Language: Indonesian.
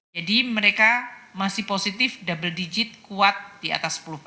jadi mereka masih positif double digit kuat di atas sepuluh